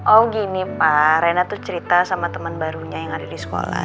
oh gini pak rena tuh cerita sama teman barunya yang ada di sekolah